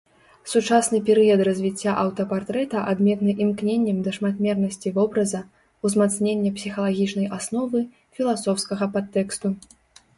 Сучасны перыяд развіцця аўтапартрэта адметны імкненнем да шматмернасці вобраза, узмацнення псіхалагічнай асновы, філасофскага падтэксту.